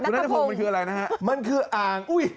นักภงมันคืออะไรนะฮะ